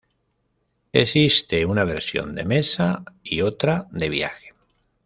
Existe una versión de mesa y otra de viaje.